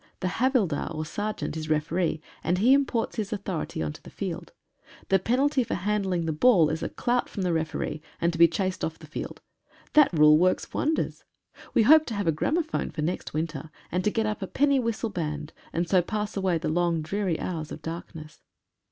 The havildar, or sergeant, is referee, and he imports his authority on to the field. The penalty for handling the ball is a clout from the referee, and to be chased off the field. That rule works wonders. We hope to have a gramophone for next winter, and to get up a penny whistle band, and so pass away the long dreary hours of darkness.